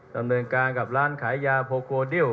ดำเนินการกับร้านขายยาโพโกดิว